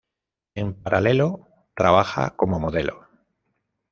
En paralelo, trabaja como modelo.